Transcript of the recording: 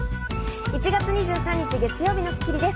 １月２３日、月曜日の『スッキリ』です。